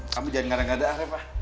kamu jangan ngadah ngadah reva